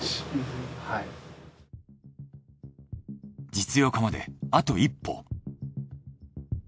実用化まであと１歩。